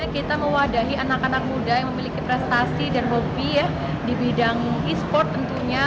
kita mewadahi anak anak muda yang memiliki prestasi dan hobi ya di bidang e sport tentunya